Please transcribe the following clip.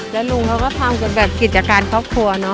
แล้วลุงเขาก็ทำแบบกิจการครอบครัว